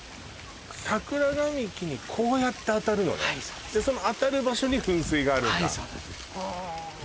桜並木にこうやって当たるのねはいそうですその当たる場所に噴水があるんだはいそうなんです